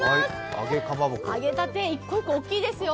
揚げたて、１個１個大きいですよ。